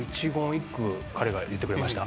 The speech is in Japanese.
一句彼が言ってくれました。